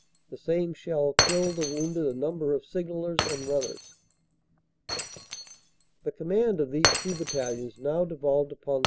The same shell killed or wounded a number of signallers and runners. The command of these two battalions now devolved upon Lt.